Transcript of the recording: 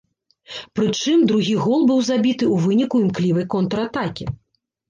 Прычым, другі гол быў забіты у выніку імклівай контратакі.